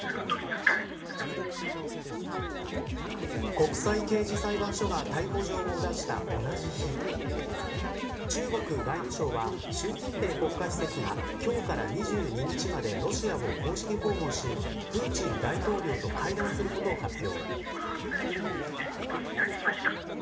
国際刑事裁判所が逮捕状を出した同じ日中国外務省は習近平国家主席が今日から２２日までロシアを公式訪問しプーチン大統領と会談することを発表。